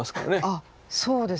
あっそうですね。